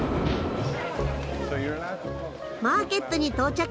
マーケットに到着。